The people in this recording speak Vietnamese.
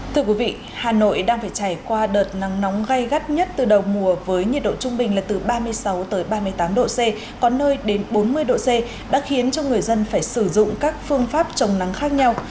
thưa quý vị hà nội đang phải trải qua đợt nắng nóng gây gắt nhất từ đầu mùa với nhiệt độ trung bình là từ ba mươi sáu ba mươi tám độ c có nơi đến bốn mươi độ c đã khiến cho người dân phải sử dụng các phương pháp trồng nắng khác nhau